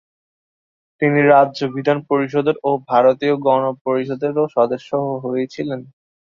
তিনি রাজ্য বিধান পরিষদের ও ভারতীয় গণ-পরিষদেরও সদস্য হয়েছিলেন।